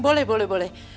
boleh boleh boleh